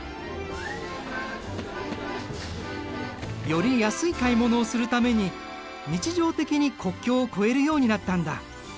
より安い買い物をするために日常的に国境を越えるようになったんだ。